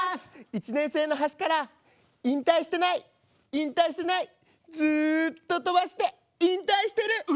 １年生の端から引退してない引退してないずっと飛ばして引退してる。